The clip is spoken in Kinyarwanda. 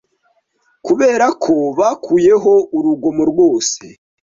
kuberako bakuyeho urugomo rwose